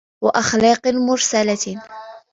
وَأَخْلَاقٍ مُرْسَلَةٍ